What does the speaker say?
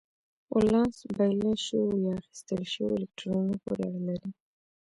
ولانس بایلل شوو یا اخیستل شوو الکترونونو پورې اړه لري.